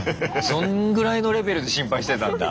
そんぐらいのレベルで心配してたんだ。